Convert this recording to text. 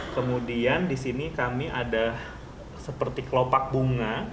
kemudian di sini kami ada seperti kelopak bunga